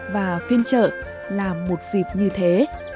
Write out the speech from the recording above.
và phiên chợ là một dịp như thế